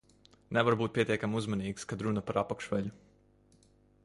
Nevar būt pietiekami uzmanīgs, kad runa par apakšveļu.